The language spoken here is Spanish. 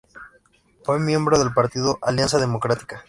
Fue miembro del Partido Alianza Democrática.